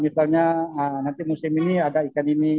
misalnya nanti musim ini ada ikan ini